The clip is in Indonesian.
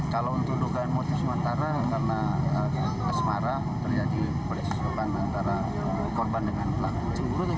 kalau untuk dugaan motif sementara karena asmara terjadi persoalan antara korban dengan pelanggan